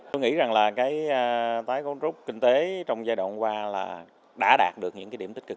tôi nghĩ rằng tái cấu trúc kinh tế trong giai đoạn qua đã đạt được những điểm tích cực